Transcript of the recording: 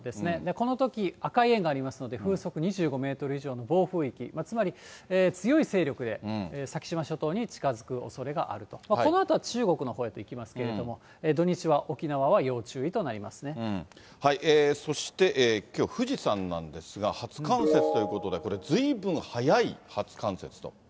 このとき、赤い円がありますので、風速２５メートル以上ありますので、暴風域、つまり強い勢力で、先島諸島に近づくおそれがあると、このあとは中国のほうへと行きますけれども、土日は沖縄は要注意そしてきょう、富士山なんですが、初冠雪ということでこれ、ずいぶん早い初冠雪と。